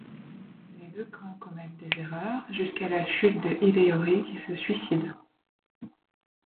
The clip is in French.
Les deux camps commettent des erreurs jusqu'à la chute de Hideyori, qui se suicide.